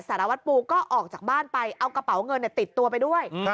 สารวัตรปูก็ออกจากบ้านไปเอากระเป๋าเงินติดตัวไปด้วย